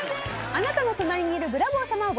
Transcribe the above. あなたの隣にいるブラボー様を募集します。